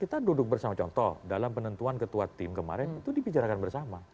kita duduk bersama contoh dalam penentuan ketua tim kemarin itu dibicarakan bersama